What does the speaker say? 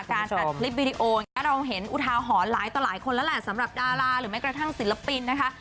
อัดคลิปวิดีโออย่างนี้เราเห็นอุทาหรณ์หลายต่อหลายคนแล้วแหละสำหรับดาราหรือแม้กระทั่งศิลปินนะคะ